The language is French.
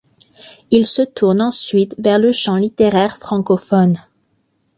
Il se tourne ensuite vers le champ littéraire francophone.